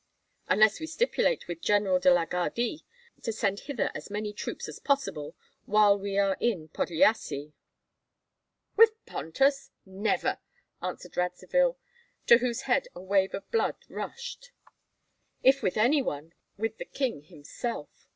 "Unless we stipulate with General de la Gardie to send hither as many troops as possible, while we are in Podlyasye." "With Pontus, never!" answered Radzivill, to whose head a wave of blood rushed. "If with any one, with the king himself.